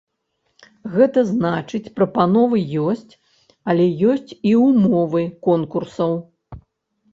Гэта значыць прапановы ёсць, але ёсць і ўмовы конкурсаў.